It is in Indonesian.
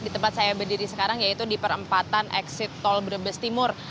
di tempat saya berdiri sekarang yaitu di perempatan exit tol brebes timur